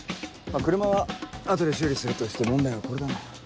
車は後で修理するとして問題はこれだな。